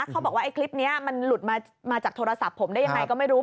เขาบอกว่าไอ้คลิปนี้มันหลุดมาจากโทรศัพท์ผมได้ยังไงก็ไม่รู้